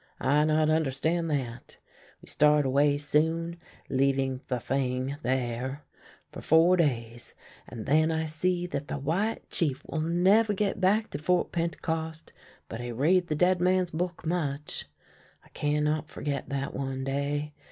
I not understand that. We start away soon, leaving the thing there. For four days, and then I see that the White Chief will never get back to Fort Pentecost; but he read the dead man's book much. ..."" I cannot forget that one day.